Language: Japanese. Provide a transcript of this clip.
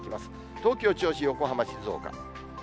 東京、銚子、横浜、静岡。